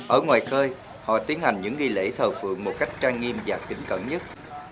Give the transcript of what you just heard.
ở ngoài khơi họ tiến hành những nghi lễ thờ phượng một cách trang nghiêm và kính cẩn nhất